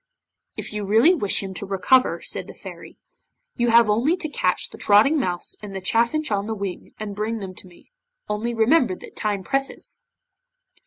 'If you really wish him to recover,' said the Fairy, 'you have only to catch the Trotting Mouse and the Chaffinch on the Wing and bring them to me. Only remember that time presses!